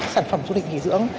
sản phẩm du lịch nghỉ dưỡng